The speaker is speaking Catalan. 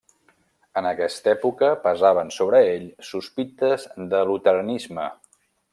En aquesta època pesaven sobre ell sospites de luteranisme.